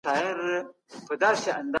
ټولنپوهان خپله تجربه شريکوي.